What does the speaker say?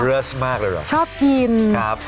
เลิสมากเลยเหรอชอบกินครับ